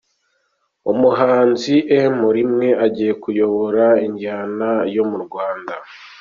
Umuhanzi M rimwe agiye kuyobora injyana yo mu Rwanda